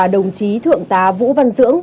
đồng chí thượng tá vũ văn dưỡng